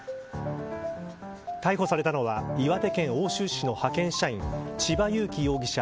逮捕されたのは岩手県奥州市の派遣社員千葉裕生容疑者